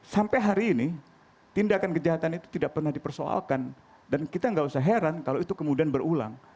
sampai hari ini tindakan kejahatan itu tidak pernah dipersoalkan dan kita nggak usah heran kalau itu kemudian berulang